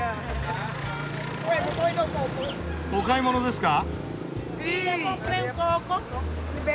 お買い物ですか？